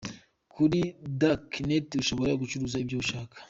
Kuri Dark Net ushobora gucuruza ibyo ushaka.